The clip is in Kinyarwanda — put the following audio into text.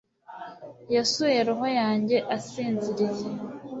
Yasuye roho yanjye asinziriye